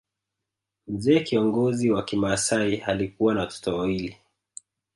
Mzee kiongozi wa kimasai alikuwa na watoto wawili